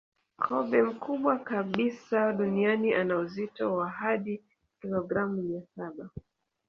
Kobe mkubwa kabisa duniani ana uzito wa hadi kilogramu mia saba